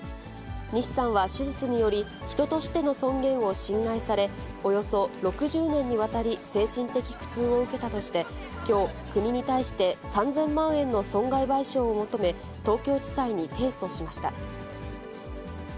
西さんは手術により、人としての尊厳を侵害され、およそ６０年にわたり、精神的苦痛を受けたとして、きょう、国に対して３０００万円の損害賠償を求め、東京地裁に提訴しました。